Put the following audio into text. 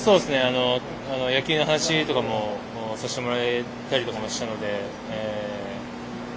野球の話とかもさせてもらたりとかもしたので。